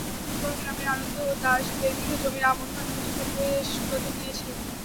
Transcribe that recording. ভাটপাড়া গ্রামের আনন্দ দাস দেড় বিঘা জমির আমন ধান কেটে খেতে শুকাতে দিয়েছিলেন।